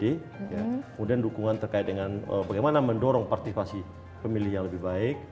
kemudian dukungan terkait dengan bagaimana mendorong partisipasi pemilih yang lebih baik